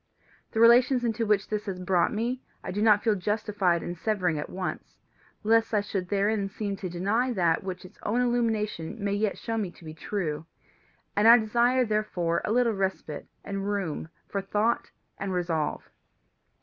The relations into which this has brought me I do not feel justified in severing at once, lest I should therein seem to deny that which its own illumination may yet show me to be true, and I desire therefore a little respite and room for thought and resolve.